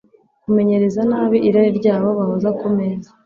kumenyereza nabi irari ryabo bahoza ku meza